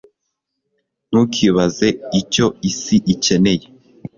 ntukibaze icyo isi ikeneye